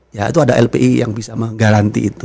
ya itu ada lpi yang bisa menggaranti itu